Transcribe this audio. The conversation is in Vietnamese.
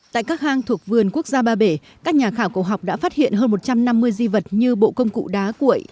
tại các hang thuộc vườn quốc gia ba bể các nhà khảo cổ học đã phát hiện hơn một trăm năm mươi di vật như bộ công cụ đá cuội